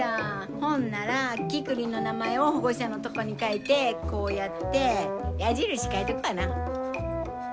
ほんならキクリンの名前を保護者のとこに書いてこうやって矢印書いとくわな。